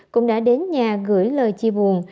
cũng đã đến nhà gửi lời chi buồn